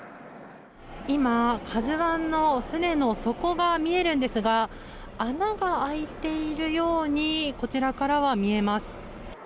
今、「ＫＡＺＵ１」の船の底が見えるんですが穴が開いているようにこちらからは見えます。